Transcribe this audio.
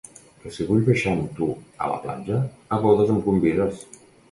Que si vull baixar amb tu a la platja? A bodes em convides!